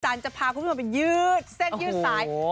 อาจารย์จะพาพวกมันไปยืดเส้นยืดสาย